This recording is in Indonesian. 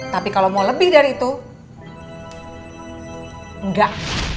tapi kalau mau lebih dari itu enggak